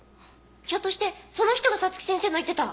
ひょっとしてその人が早月先生の言ってた。